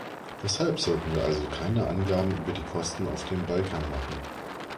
Weshalb sollten wir also keine Angaben über die Kosten auf dem Balkan machen?